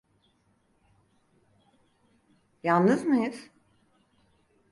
Yalnız mıyız?